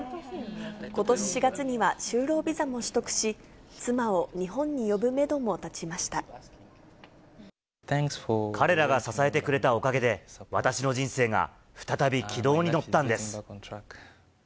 ことし４月には就労ビザも取得し、彼らが支えてくれたおかげで、私の人生が再び軌道に乗ったんです。